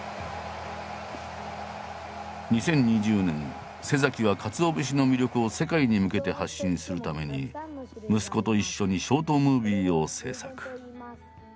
２０２０年は鰹節の魅力を世界に向けて発信するために息子と一緒にショートムービーを制作。